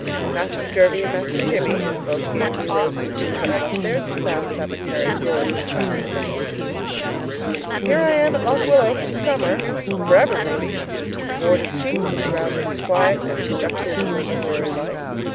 Master Jervie and Master Jimmie both gave me roses, too, but I left theirs in the bath tub and carried yours in the class procession. Here I am at Lock Willow for the summer for ever maybe. The board is cheap; the surroundings quiet and conducive to a literary life.